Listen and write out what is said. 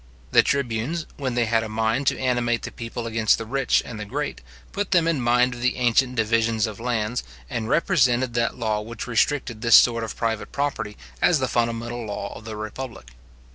The tribunes, when they had a mind to animate the people against the rich and the great, put them in mind of the ancient divisions of lands, and represented that law which restricted this sort of private property as the fundamental law of the republic.